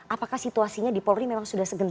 apakah situasinya di polri memang sudah segenap